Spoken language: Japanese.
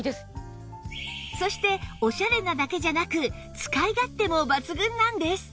そしてオシャレなだけじゃなく使い勝手も抜群なんです